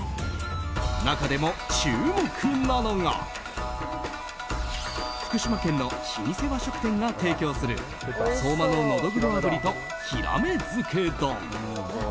中でも注目なのが福島県の老舗和食店が提供する相馬のノドグロ炙りとヒラメ漬け丼。